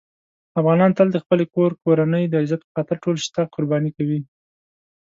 افغانان تل د خپل کور کورنۍ د عزت په خاطر ټول شته قرباني کوي.